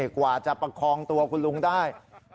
กว่าจะประคองตัวคุณลุงได้